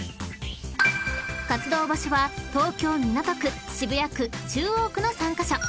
［活動場所は東京港区渋谷区中央区の３カ所］